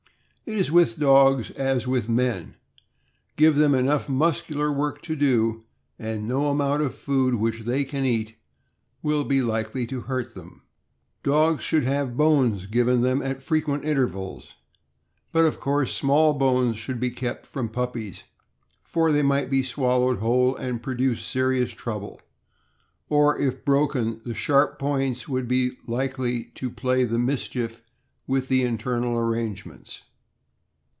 It is with dogs as with men, give them enough muscular work to do, and no amount of food which they can eat will be likely to hurt them. Dogs should have bones given them at frequent inter vals, but of course small bones should be kept from pup pies, for they might be swallowed whole and produce serious trouble; or, if broken, the sharp points would be likely to play the mischief with the internal arrange ments.